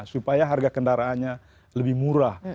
supaya harga kendaraannya lebih murah